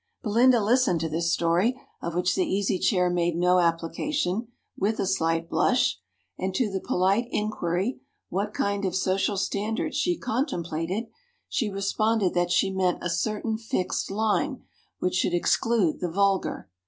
Belinda listened to this story, of which the Easy Chair made no application, with a slight blush; and to the polite inquiry, what kind of social standard she contemplated, she responded that she meant a certain fixed line which should exclude the vulgar.